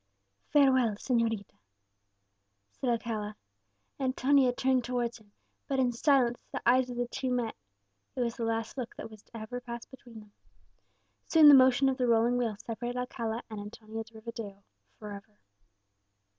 "Farewell, señorita!" said Alcala. Antonia turned towards him, but in silence; the eyes of the two met it was the last look that was ever to pass between them. Soon the motion of the rolling wheels separated Alcala and Antonia de Rivadeo for ever.